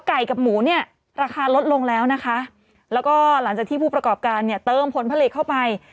กับหมูเนี่ยราคาลดลงแล้วนะคะแล้วก็หลังจากที่ผู้ประกอบการเนี่ยเติมผลผลิตเข้าไป